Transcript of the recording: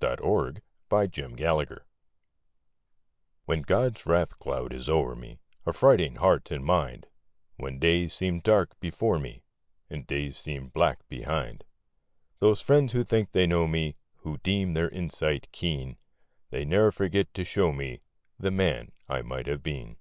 THE MEN WE MIGHT HAVE BEEN When God's wrath cloud is o'er me, Affrighting heart and mind; When days seem dark before me, And days seem black behind; Those friends who think they know me Who deem their insight keen They ne'er forget to show me The man I might have been.